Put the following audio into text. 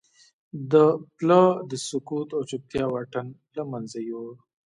دې پله د سکوت او چوپتیا واټن له منځه یووړ